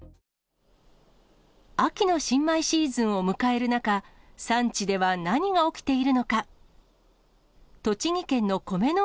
秋の新米シーズンを迎える中、産地では何が起きているのか。